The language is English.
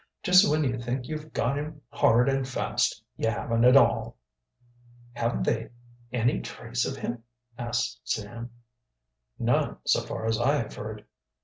Just when you think you've got him hard and fast, you haven't at all." "Haven't they any trace of him?" asked Sam. "None, so far as I have heard.